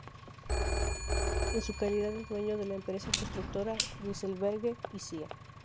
En su calidad de dueño de la Empresa Constructora Rysselberghe y Cia.